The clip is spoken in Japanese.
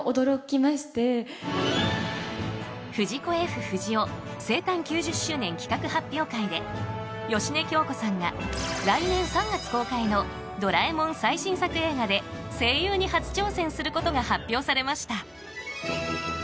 藤子・Ｆ・不二雄生誕９０周年企画発表会で芳根京子さんが来年３月公開の「ドラえもん」最新作映画で声優に初挑戦することが発表されました。